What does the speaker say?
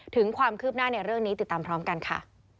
ถึงความคืบหน้าในเรื่องนี้ติดตามพร้อมกันค่ะ